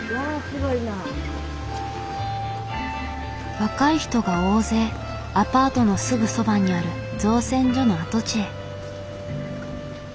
若い人が大勢アパートのすぐそばにある造船所の跡地へ。